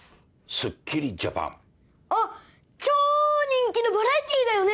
『すっきりジャパン』あっ超人気のバラエティーだよね？